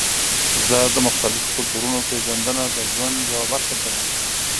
زه د مختلفو کلتورونو پیژندنه د ژوند یوه برخه ګڼم.